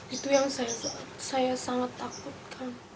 itu yang saya sangat takutkan